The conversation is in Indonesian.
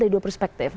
dari dua perspektif